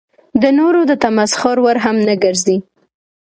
د نورو د تمسخر وړ هم نه ګرځي.